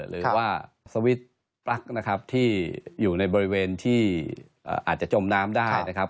หรือว่าสวิตช์ปลั๊กนะครับที่อยู่ในบริเวณที่อาจจะจมน้ำได้นะครับ